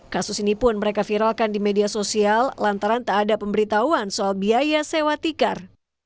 kasus ini pun mereka viralkan di media sosial lantaran tak ada pemberitahuan soal biaya sewa tikar